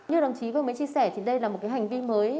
như đồng chí vừa mới chia sẻ thì đây là một cái hành vi mới